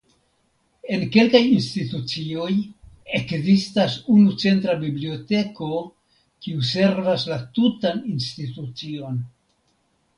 En kelkaj institucioj ekzistas unu centra biblioteko kiu servas la tutan institucion.